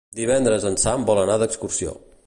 Divendres en Sam vol anar d'excursió.